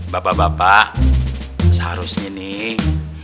bapak bapak seharusnya nih